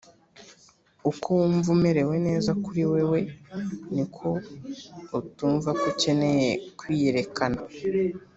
“uko wumva umerewe neza kuri wewe, ni ko utumva ko ukeneye kwiyerekana.”